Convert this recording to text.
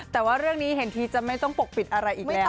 แต่ว่าเรื่องนี้เห็นทีจะไม่ต้องปกปิดอะไรอีกแล้ว